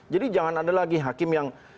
jadi jangan ada lagi hakim yang